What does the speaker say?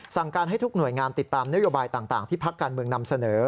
สั่งการให้ทุกหน่วยงานติดตามนโยบายต่างที่พักการเมืองนำเสนอ